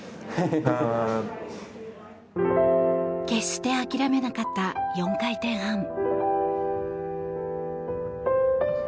決して諦めなかった４回転半。